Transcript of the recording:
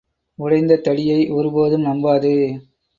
உடைந்த தடியை ஒரு போதும் நம்பாதே.